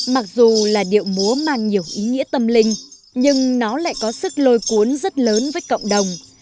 mặc dù là điệu múa mang nhiều ý nghĩa tâm linh nhưng nó lại có sức lôi cuốn rất lớn với cộng đồng